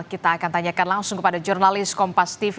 kita akan tanyakan langsung kepada jurnalis kompas tv